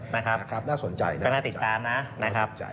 นะครับน่าสนใจน่าติดตามนะครับ